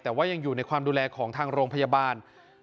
แต่ว่ายังอยู่ในความดูแลของทางโรงพยาบาล